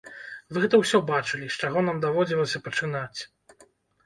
Вы гэта ўсё бачылі, з чаго нам даводзілася пачынаць.